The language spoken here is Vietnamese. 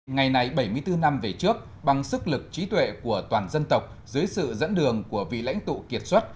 ngày này bảy mươi bốn năm về trước bằng sức lực trí tuệ của toàn dân tộc dưới sự dẫn đường của vị lãnh tụ kiệt xuất